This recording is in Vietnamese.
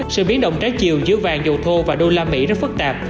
sự biến động trái chiều giữa vàng dầu thô và đô la mỹ rất phức tạp